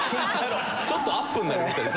ちょっとアップになりましたね